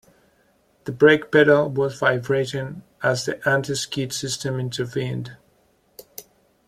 The brake pedal was vibrating as the anti-skid system intervened.